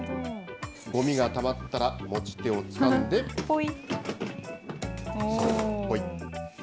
ごみがたまったら、持ち手をつかポイ。